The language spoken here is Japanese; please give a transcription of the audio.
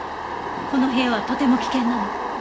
この部屋はとても危険なの。